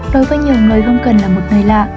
đối với nhiều người không cần là một người lạ